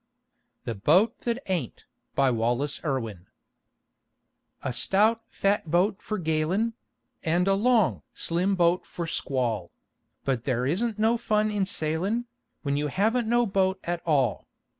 THE BOAT THAT AIN'T BY WALLACE IRWIN A stout, fat boat for gailin' And a long, slim boat for squall; But there isn't no fun in sailin' When you haven't no boat at all.